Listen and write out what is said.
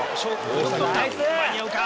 間に合うか？